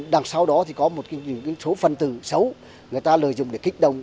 đằng sau đó thì có một số phần từ xấu người ta lời dùng để kích động